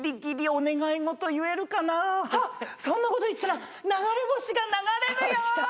あっそんなこと言ってたら流れ星が流れるよ！